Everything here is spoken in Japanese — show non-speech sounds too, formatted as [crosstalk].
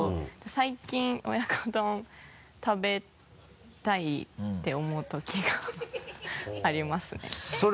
最近親子丼食べたいって思うときがありますね [laughs]